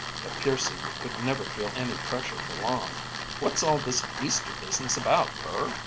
But Pearson could never feel any pressure for long. "What's all this Easter business about, Burr?"